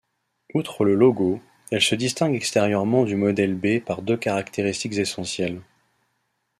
Outre le logo, elle se distingue extérieurement du modèle B par deux caractéristiques essentielles.